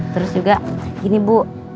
terus juga gini bu